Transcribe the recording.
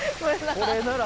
これなら。